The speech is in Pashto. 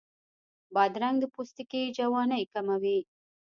بادرنګ د پوستکي جوانۍ کموي.